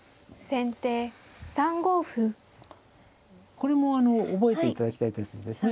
これも覚えて頂きたい手筋ですね。